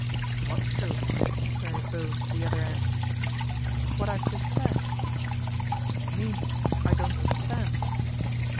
' What's true ?" queried Bowen at the other nd. ' What I've just said." ' What do you mean ? I don't understand."